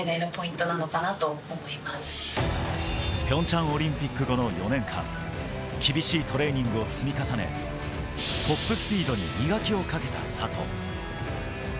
ピョンチャンオリンピック後の４年間、厳しいトレーニングを積み重ね、トップスピードに磨きをかけた佐藤。